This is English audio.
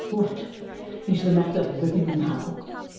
"What is the matter with you now?"